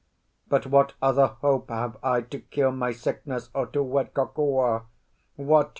But what other hope have I to cure my sickness or to wed Kokua? What!"